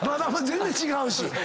全然違うし。